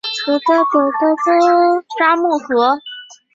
札木合。